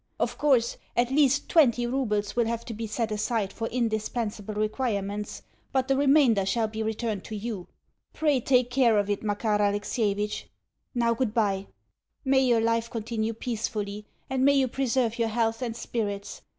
Of course, at least TWENTY roubles will have to be set aside for indispensable requirements, but the remainder shall be returned to you. Pray take care of it, Makar Alexievitch. Now, goodbye. May your life continue peacefully, and may you preserve your health and spirits.